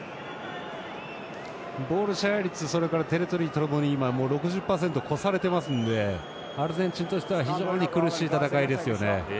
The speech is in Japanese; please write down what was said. ボール支配率テリトリーともに６０％超されてますのでアルゼンチンとしては非常に苦しい戦いですよね。